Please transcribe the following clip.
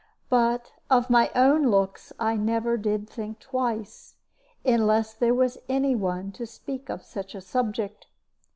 But of my own looks I never did think twice, unless there was any one to speak of such a subject.